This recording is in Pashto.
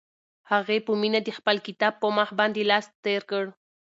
هغې په مینه د خپل کتاب په مخ باندې لاس تېر کړ.